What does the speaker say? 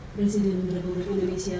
presiden rakyat indonesia